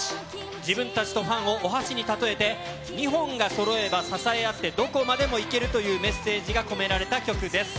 自分たちとファンをお箸に例えて、２本がそろえば支え合って、どこまでも行けるというメッセージが込められた曲です。